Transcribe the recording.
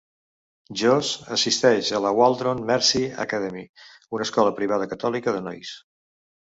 Josh assisteix a la Waldron Mercy Academy, una escola privada catòlica de nois.